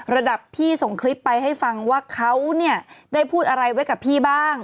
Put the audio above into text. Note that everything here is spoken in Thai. ระดับพี่ส่งคลิปไปให้ฟังว่าเขาเนี่ยได้พูดอะไรไว้กับพี่บ้าง